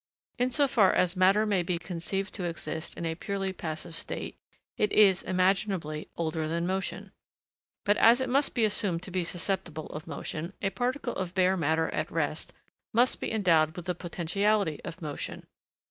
In so far as matter may be conceived to exist in a purely passive state, it is, imaginably, older than motion. But, as it must be assumed to be susceptible of motion, a particle of bare matter at rest must be endowed with the potentiality of motion.